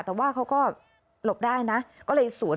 แต่ว่าเขาก็หลบได้นะก็เลยสวน